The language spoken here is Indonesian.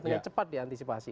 dengan cepat diantisipasi